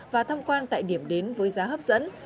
và thăm quan tại điểm đến với giá hấp dẫn